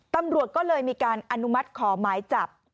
ตำรวจก็เลยมีการอนุมัติขอหมายจับ